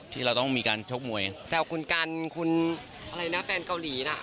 ที่เราต้องมีการชกมวยแซวคุณกันคุณอะไรนะแฟนเกาหลีน่ะ